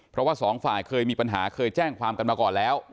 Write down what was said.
เพราะว่าสองฝ่ายเคยมีปัญหาเคยแจ้งความกันมาก่อนแล้ว